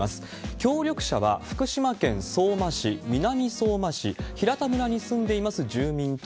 協力者は福島県相馬市、南相馬市、平田村に住んでいます住民と、